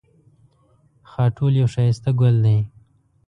خاټول یو ښایسته ګل دی